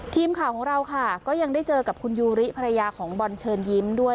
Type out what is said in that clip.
ทีมข่าวของเราค่ะก็ยังได้เจอกับคุณยูริภรรยาของบอลเชิญยิ้มด้วย